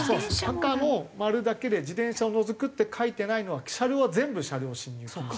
赤の丸だけで「自転車を除く」って書いてないのは車両は全部車両進入禁止なので。